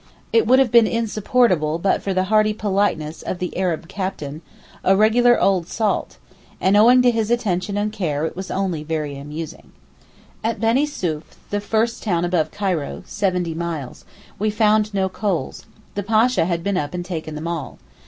It would have been insupportable but for the hearty politeness of the Arab captain, a regular 'old salt,' and owing to his attention and care it was only very amusing. At Benisouef, the first town above Cairo (seventy miles), we found no coals: the Pasha had been up and taken them all.